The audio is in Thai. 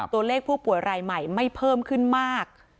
ตัวเลขผู้ป่วยรายใหม่ไม่เพิ่มขึ้นมาก